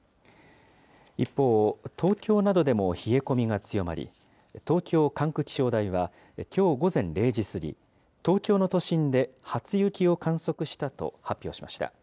一方、東京などでも冷え込みが強まり、東京管区気象台は、きょう午前０時過ぎ、東京の都心で初雪を観測したと発表しました。